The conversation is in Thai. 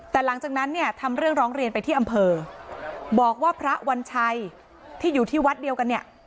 แต่หลังจากนั้นเนี่ยทำเรื่องร้องเรียนไปที่อำเภอบอกว่าพระวัญชัยที่อยู่ที่วัดเดียวกันเนี่ย